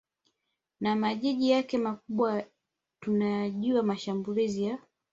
ya majiji yake makubwa Tunayajua mashambulizi ya